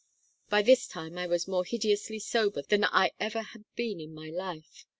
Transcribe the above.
By this time I was more hideously sober than I ever had been in my life.